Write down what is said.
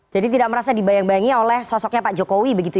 jadi tidak merasa dibayang bayangi oleh sosoknya pak jokowi